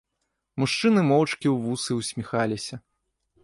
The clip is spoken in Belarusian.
Мужчыны моўчкі ў вусы ўсміхаліся.